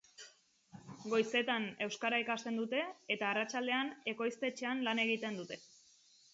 Goizetan euskara ikasten dute eta arratsaldean ekoiztetxean lan egiten dute.